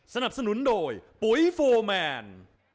สนับสนุนโดยปุ๋ยโฟร์แมน